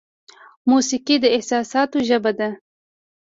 موسیقي د احساساتو ژبه ده.